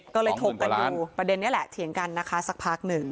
ก็เลยถกกันอยู่ประเด็นนี้แหละเถียงกันนะคะสักพักหนึ่ง